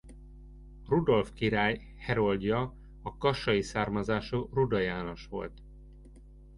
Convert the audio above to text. Rudolf király heroldja a kassai származású Ruda János volt.